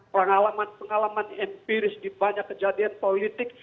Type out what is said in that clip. pengalaman pengalaman empiris di banyak kejadian politik